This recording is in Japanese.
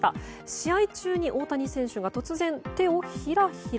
試合中に大谷選手が突然手をひらひら。